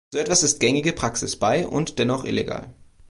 So etwas ist gängige Praxis bei und dennoch illegal.